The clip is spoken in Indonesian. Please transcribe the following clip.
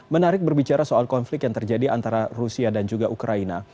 menarik berbicara soal konflik yang terjadi antara rusia dan juga ukraina